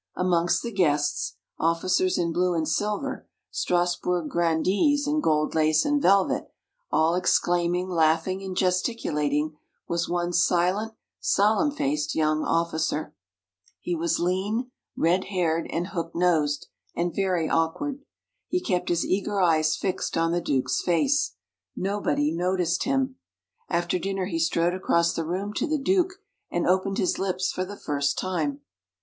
Amongst the guests officers in blue and silver, Strasburg grandees in gold lace and velvet, all exclaiming, laughing, and gesticulating was one silent, solemn faced young officer. He was lean, red haired, and hook nosed, and very awkward. He kept his eager eyes fixed on the Duke's face. Nobody noticed him. After dinner, he strode across the room to the Duke, and opened his lips for the first time.